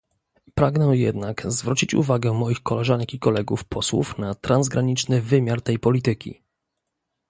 Pragnę jednak zwrócić uwagę moich koleżanek i kolegów posłów na transgraniczny wymiar tej polityki